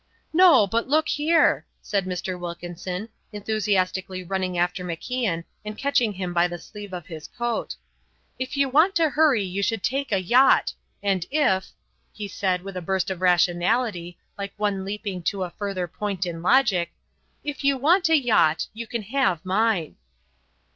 "No, but look here," said Mr. Wilkinson, enthusiastically running after MacIan and catching him by the sleeve of his coat. "If you want to hurry you should take a yacht, and if" he said, with a burst of rationality, like one leaping to a further point in logic "if you want a yacht you can have mine."